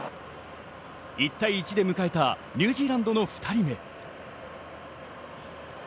１対１で迎えたニュージーランドの２人目。